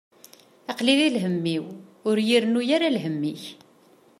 Aql-i di lhemm-iw, ur yi-d-rennu ara lhemm-ik.